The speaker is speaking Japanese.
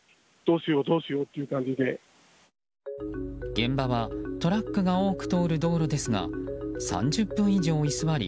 現場はトラックが多く通る道路ですが３０分以上居座り